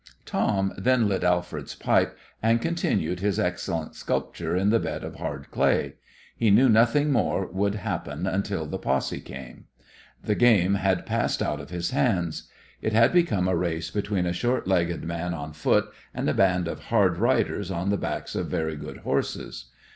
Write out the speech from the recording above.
Tom then lit Alfred's pipe, and continued his excellent sculpture in the bed of hard clay. He knew nothing more would happen until the posse came. The game had passed out of his hands. It had become a race between a short legged man on foot and a band of hard riders on the backs of very good horses.